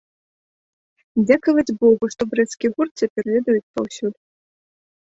Дзякаваць богу, што брэсцкі гурт цяпер ведаюць паўсюль!